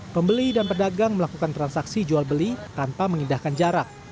pembeli dan pedagang melakukan transaksi jual beli tanpa mengindahkan jarak